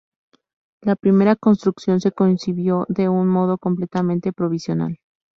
La primera construcción se concibió de un modo completamente provisional.